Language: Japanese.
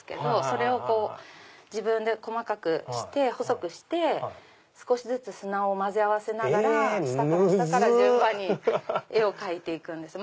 それを自分で細かくして細くして少しずつ砂を交ぜ合わせながら下から下から順番に絵を描いて行くんです。